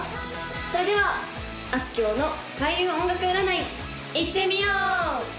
それではあすきょうの開運音楽占いいってみよう！